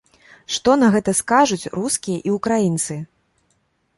Што на гэта скажуць рускія і ўкраінцы?